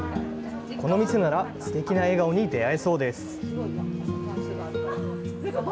この店ならすてきな笑顔に出会えそうです。